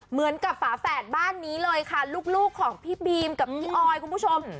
ฝาแฝดบ้านนี้เลยค่ะลูกของพี่บีมกับพี่ออยคุณผู้ชม